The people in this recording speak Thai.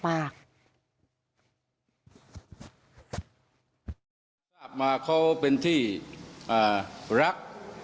ในท่ามาเป็นที่รัก